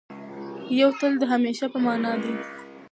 یو تل د همېشه په مانا دی.